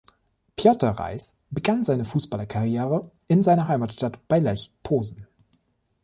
Piotr Reiss begann seine Fußballerkarriere in seiner Heimatstadt bei Lech Posen.